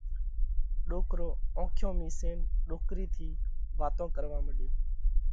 ڏوڪرو اونکيون ميشينَ ڏوڪرِي ٿِي واتون ڪروا مڏيو۔